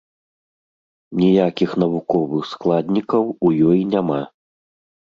Ніякіх навуковых складнікаў у ёй няма.